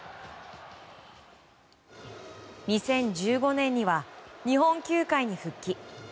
２０１５年には日本球界に復帰。